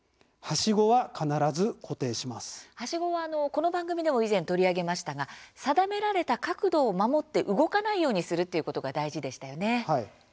はしごは、この番組でも以前、取り上げましたが定められた角度を守って動かないようにするということが大事でしたよね。